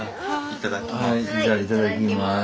いただきます。